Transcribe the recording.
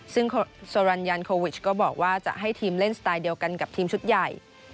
ซึ่งโซรันยันโควิชก็บอกว่าจะให้ทีมเล่นสไตล์เดียวกันกับทีมชุดใหญ่